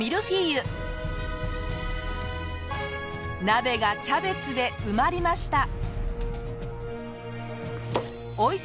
鍋がキャベツで埋まりました。